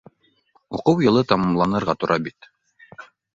Уҡыу йылы тамамланырға тора бит.